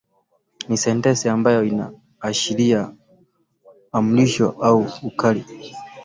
Ni sentensi ambayo inaashiria amrisho au ukali.